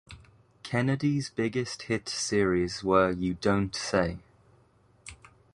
Kennedy's biggest hit series were You Don't Say!